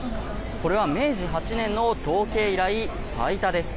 これは明治８年の統計以来最多です。